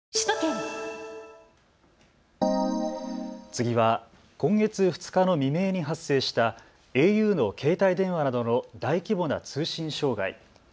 次は今月２日の未明に発生したａｕの携帯電話などの大規模な通信障害。